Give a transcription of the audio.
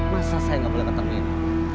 masa saya gak boleh ke terminal